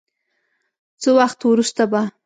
څه وخت وروسته به